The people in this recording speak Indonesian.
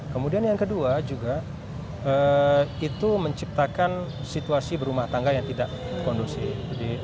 kemudian yang kedua juga itu menciptakan situasi berumah tangga yang tidak kondusif